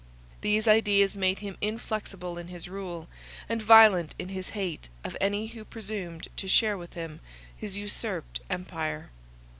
These ideas made him inflexible in his rule, and violent in his hate of any who presumed to share with him his usurped empire.